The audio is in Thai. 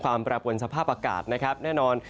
ความปรับวนสภาพอากาศแน่นอน